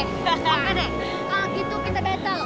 kalau gitu kita battle